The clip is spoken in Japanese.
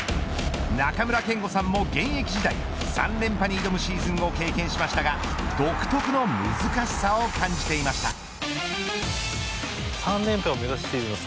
中村憲剛さんも現役時代３連覇に挑むシーズンを経験しましたが独特の難しさを感じていました。